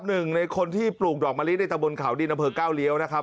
หนึ่งในคนที่ปลูกดอกมะลิในตะบนเขาดินอำเภอก้าวเลี้ยวนะครับ